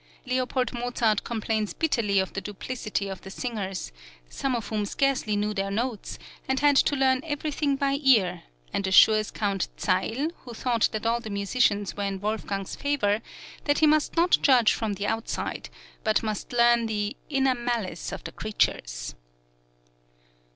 L. Mozart complains bitterly of the duplicity of the singers, some of whom scarcely knew their notes, and had to learn everything by ear, and assures Count Zeil, who thought that all the musicians were in Wolfgang's favour, that he must not judge from the outside, but must learn the "innate malice of the creatures."